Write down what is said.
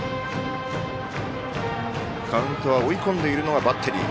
カウント追い込んでいるのはバッテリー。